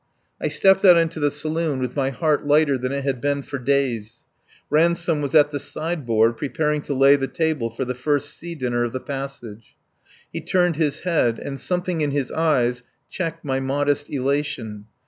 I stepped out into the saloon with my heart lighter than it had been for days. Ransome was at the sideboard preparing to lay the table for the first sea dinner of the passage. He turned his head, and something in his eyes checked my modest elation.